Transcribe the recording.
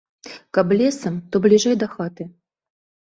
Каб лесам, то бліжэй да хаты.